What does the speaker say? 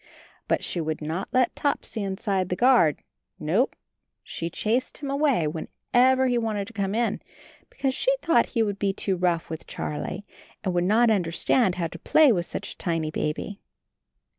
But she would not let Topsy inside the guard; no, she chased him away whenever he wanted to come in, because she thought he would be rough with Charlie and would not understand how to play with such a tiny baby.